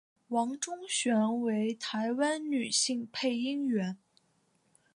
王中璇为台湾女性配音员。